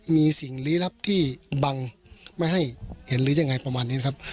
มีสิ่งลี้ลับที่บังไม่ให้เห็นหรือยังไงประมาณนี้นะครับ